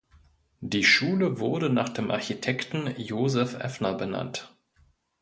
Die Schule wurde nach dem Architekten Joseph Effner benannt.